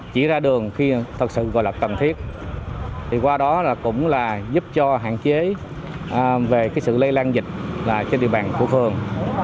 chỉ ra đường khi thật sự gọi là cần thiết thì qua đó cũng là giúp cho hạn chế về sự lây lan dịch trên địa bàn của phường